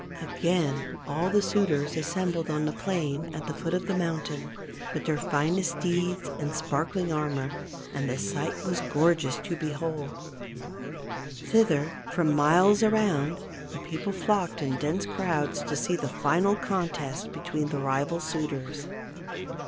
Again all the suitors assembled on the plain at the foot of the mountain, with their finest steeds and sparkling armor, and the sight was gorgeous to behold. Thither, from miles around, the people flocked in dense crowds to see the final contest between the rival suitors.